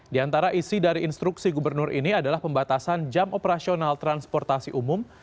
di antara isi dari instruksi gubernur ini adalah pembatasan jam operasional transportasi umum